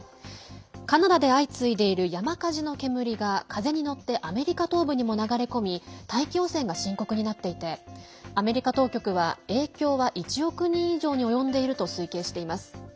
カナダで相次いでいる山火事の煙が風に乗ってアメリカ東部にも流れ込み大気汚染が深刻になっていてアメリカ当局は影響は１億人以上に及んでいると推計しています。